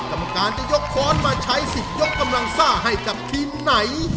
กรรมการจะยกค้อนมาใช้สิทธิ์ยกกำลังซ่าให้กับทีมไหน